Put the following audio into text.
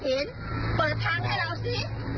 เติบทางให้เราซิ